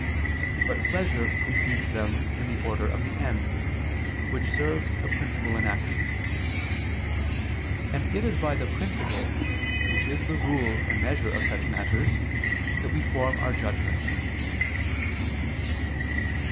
But pleasure precedes them in the order of the end, which serves a principle in actions; and it is by the principle, which is the rule and measure of such matters, that we form our judgment.